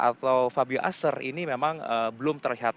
atau fabio aser ini memang belum terlihat